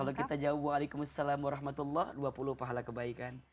kalau kita jawab waalaikumussalam warahmatullah dua puluh pahala kebaikan